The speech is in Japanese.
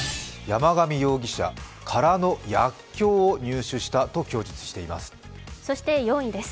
山上容疑者、カラの薬きょうを入手したと供述しています。